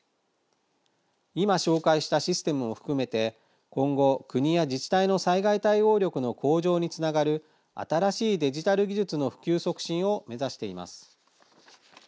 今、紹介したシステムも含めて今後、国や自治体の災害対応力の向上につながる新しいデジタル技術の普及促進を目指しています。